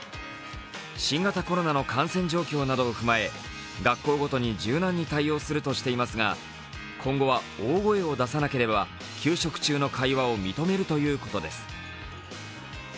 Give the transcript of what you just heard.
新型コロナの感染状況などを踏まえ学校ごとに柔軟に対応するとしていますが今後は大声を出さなければ給食中の会話を認めるということです。